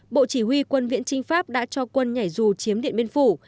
bộ chỉ huy quân viễn trinh pháp đã cho quân nhảy dù chiếm điện biên phủ